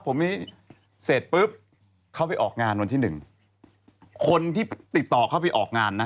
วันนี้เสร็จปุ๊บเขาไปออกงานวันที่๑คนที่ติดต่อเขาไปออกงานนะ